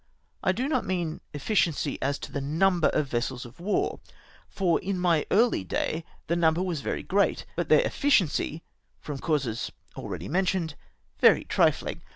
I do not mean efficiency as to the number of vessels of war — for m my early day the number was very great, but their " efficiency, from causes already men tioned, very triflmg.